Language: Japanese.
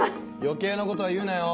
余計なことは言うなよ。